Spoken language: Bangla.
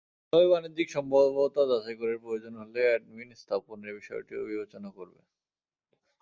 তবে বাণিজ্যিক সম্ভাব্যতা যাচাই করে প্রয়োজন হলে অ্যাডমিন স্থাপনের বিষয়টিও বিবেচনা করবে।